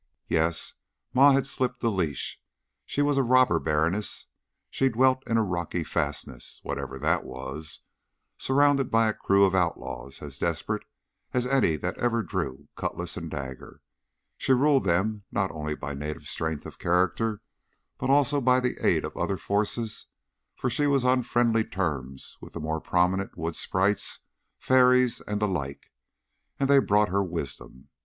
Yes, Ma had slipped the leash. She was a robber baroness; she dwelt in a rocky "fastness" whatever that was surrounded by a crew of outlaws as desperate as any that ever drew cutlass and dagger, and she ruled them not only by native strength of character, but also by the aid of other forces, for she was on friendly terms with the more prominent wood sprites, fairies, and the like, and they brought her wisdom.